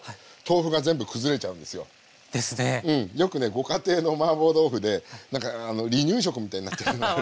よくねご家庭のマーボー豆腐で何かあの離乳食みたいになってるのがある。